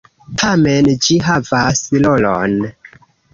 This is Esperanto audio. Tamen, ĝi havas rolon.